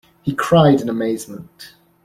he cried in amazement.